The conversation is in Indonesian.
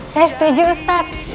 saya setuju ustadz